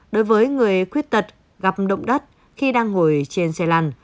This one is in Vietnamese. đối với người khuyết tật gặp động đất khi đang ngồi trên xe lăn